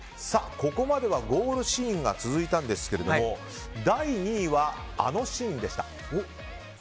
ここまではゴールシーンが続いたんですけども第２位は、あのシーンでした。